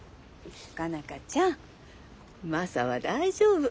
佳奈花ちゃんマサは大丈夫。